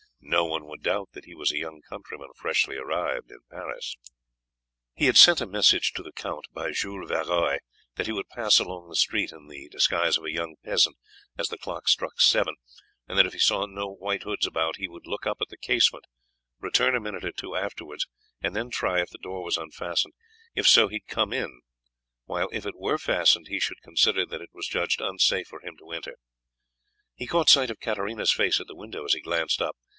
No one would doubt that he was a young countryman freshly arrived in Paris. He had sent a message to the count by Jules Varoy that he would pass along the street in the disguise of a young peasant as the clock struck seven, and that if he saw no White Hoods about he would look up at the casement, return a minute or two afterwards, and then try if the door was unfastened. If so he would come in, while if it were fastened he should consider that it was judged unsafe for him to enter. He caught sight of Katarina's face at the window as he glanced up.